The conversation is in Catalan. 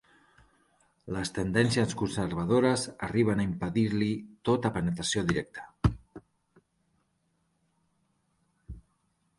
Les tendències conservadores arriben a impedir-li tota penetració directa.